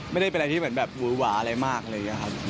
ไม่ได้เป็นอะไรที่แบบหูหวาอะไรมากเลยครับ